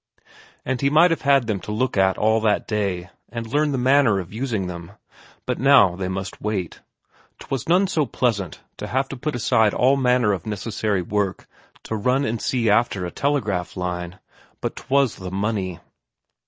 And he might have had them to look at all that day, and learn the manner of using them but now they must wait. 'Twas none so pleasant to have to put aside all manner of necessary work to run and see after a telegraph line. But 'twas the money....